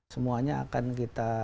semuanya akan kita